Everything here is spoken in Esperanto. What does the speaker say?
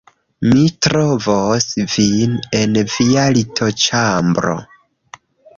Mi trovos vin en via litoĉambro